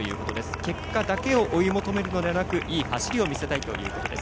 結果だけを追い求めるのではなくいい走りを見せたいということです。